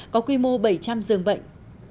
có quy mô bảy trăm linh giường bệnh